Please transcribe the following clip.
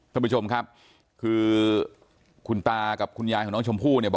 ท่านผู้ชมครับคือคุณตากับคุณยายของน้องชมพู่เนี่ย